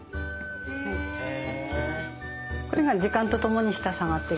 へえ。